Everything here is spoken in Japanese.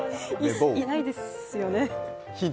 いないですよね。